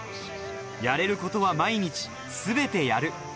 やれることは毎日すべてやる。